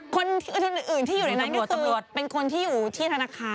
คนอื่นที่อยู่ในนั้นก็เป็นคนที่อยู่ที่ธนาคาร